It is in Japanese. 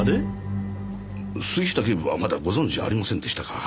杉下警部はまだご存じありませんでしたか。